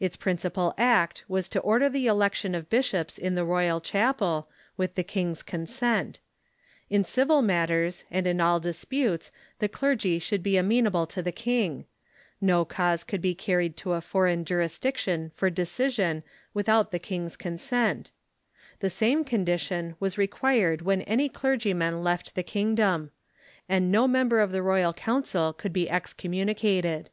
Its principal act was to order the election of bishops in the roval chapel, with the king's consent ; in civil matters and in all disputes the clergy should be amenable to the king ; no cause could be carried to a foreign jurisdiction for decision Avithout the THOMAS BECKET 157 king's consent ; the same condition was required when any clergymen left the kingdom ; and no member of the royal council could be excommunicated.